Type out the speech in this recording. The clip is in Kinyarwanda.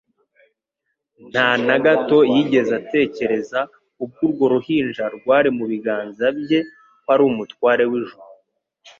Nta na gato yigeze atekereza, ubwo urwo ruhinja rwari mu biganza bye, ko ari Umutware w'ijuru